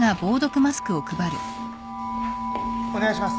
お願いします。